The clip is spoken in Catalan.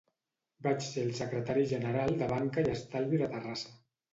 Vaig ser el secretari general de Banca i Estalvi de Terrassa.